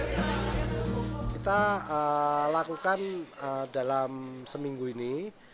kita lakukan dalam seminggu ini